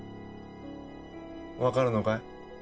分かるのかい？